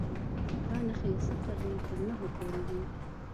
دا نښې له صفر تر نهو پورې وې.